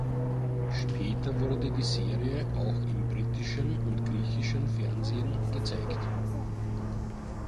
Später wurde die Serie auch im britischen und griechischen Fernsehen gezeigt.